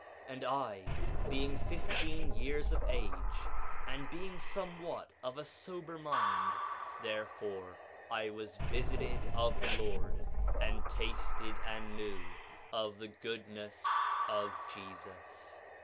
1:15 And I, being fifteen years of age and being somewhat of a sober mind, therefore I was visited of the Lord, and tasted and knew of the goodness of Jesus.